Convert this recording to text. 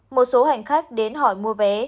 một số hành khách đến hỏi mua vé